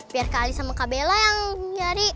biar kak ali sama kak bella yang nyari